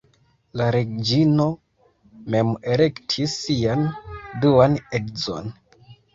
La reĝino mem elektis sian duan edzon.